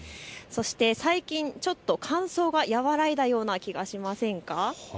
そして最近ちょっと、乾燥が和らいだような気がしませんか。